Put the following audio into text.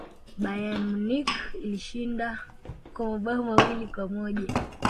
bayern munich ilishinda kwa mabao mawili kwa moja